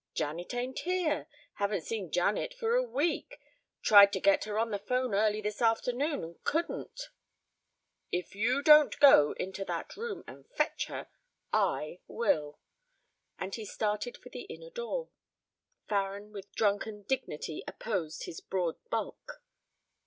"Janet ain't here. Haven't seen Janet for a week. Tried to get her on the 'phone early this afternoon and couldn't " "If you don't go into that room and fetch her, I will." As he started for the inner door, Farren with drunken dignity opposed his broad bulk.